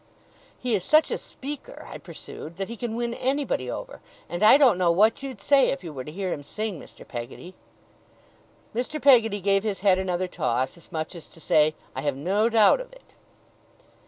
'He is such a speaker,' I pursued, 'that he can win anybody over; and I don't know what you'd say if you were to hear him sing, Mr. Peggotty.' Mr. Peggotty gave his head another toss, as much as to say: 'I have no doubt of it.